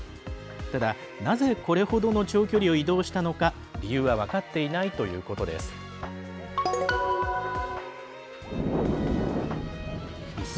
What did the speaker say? ただ、なぜこれほどの長距離を移動したのか理由は分かっていないということです。